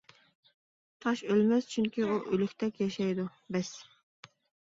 تاش ئۆلمەس، چۈنكى ئۇ ئۆلۈكتەك ياشايدۇ، بەس!